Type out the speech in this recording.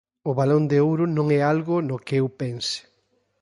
O balón de ouro non é algo no que eu pense.